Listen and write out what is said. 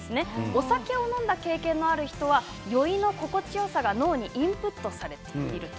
お酒を飲んだ経験がある人は酔いの心地よさが脳にインプットされていると。